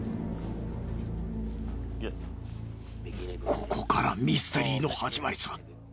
ここからミステリーの始まりさ。